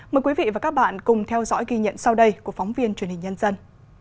mời quý vị và các bạn cùng theo dõi ghi nhận sau đây của phóng viên truyền hình nhân dân